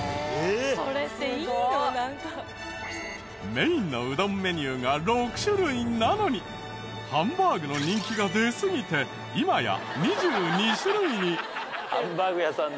メインのうどんメニューが６種類なのにハンバーグの人気が出すぎて今や２２種類に。